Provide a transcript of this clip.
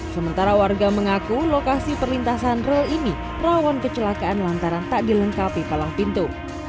sementara warga mengaku lokasi perlintasan rel ini rawan kecelakaan lantaran tak dilengkapi palang pintu